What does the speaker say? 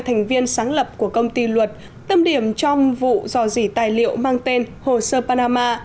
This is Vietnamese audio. thành viên sáng lập của công ty luật tâm điểm trong vụ dò dỉ tài liệu mang tên hồ sơ panama